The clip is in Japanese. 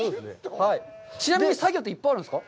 ちなみに、作業っていっぱいあるんですか。